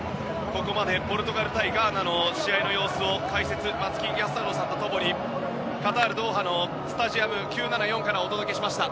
ここまでポルトガル対ガーナの試合の様子解説、松木安太郎さんと共にカタール・ドーハのスタジアム９７４からお届けしました。